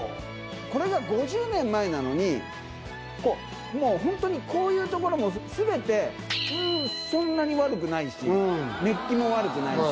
これが５０年前なのにもうホントにこういう所も全てそんなに悪くないしメッキも悪くないし。